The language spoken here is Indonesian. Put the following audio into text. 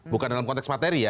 bukan dalam konteks materi ya